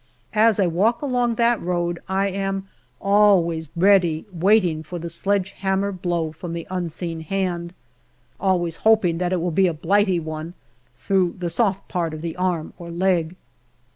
As I walk along that road, I am always ready waiting for the sledge hammer blow from the unseen hand, always hoping that it will be a Blighty one, through the soft part of the arm or leg.